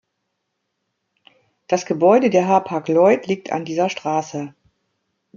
Das Gebäude der Hapag-Lloyd liegt an dieser Straße.